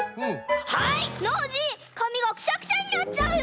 ノージーかみがクシャクシャになっちゃうよ！